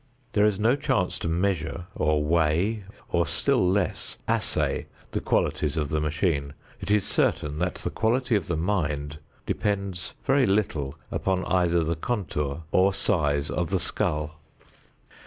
There is no chance to measure or weigh or still less assay the qualities of the machine. It is certain that the quality of the mind depends very little upon either the contour or size of the skull.